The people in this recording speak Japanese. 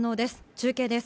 中継です。